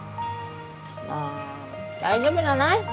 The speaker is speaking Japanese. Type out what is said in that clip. まあ大丈夫じゃない？